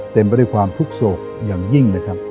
เต็มไปด้วยความทุกข์โศกอย่างยิ่งนะครับ